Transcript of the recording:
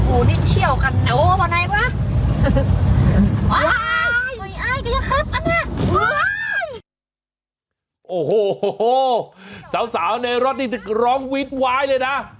โอ้โหสาวในรถนี่ร้องวิดวายเลยนะ